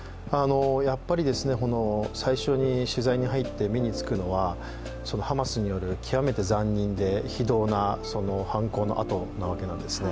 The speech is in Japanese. やっぱり最初に取材に入って目につくのはハマスによる極めて残忍で非道な犯行の跡なわけですよね。